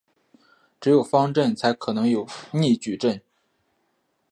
只有方阵才可能有逆矩阵。